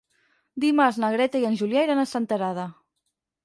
Dimarts na Greta i en Julià iran a Senterada.